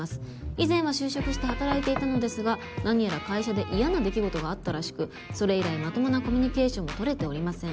「以前は就職して働いていたのですが何やら会社で嫌な出来事があったらしくそれ以来まともなコミュニケーションも取れておりません」